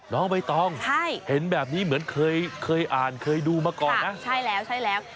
น้องใบตองใช่เห็นแบบนี้เหมือนเคยเคยอ่านเคยดูมาก่อนนะใช่แล้วใช่แล้ว